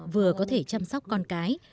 vừa có thể chăm sóc con cái